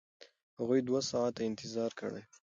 هغوی دوه ساعته انتظار کړی و.